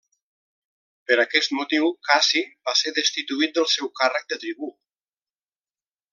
Per aquest motiu Cassi va ser destituït del seu càrrec de tribú.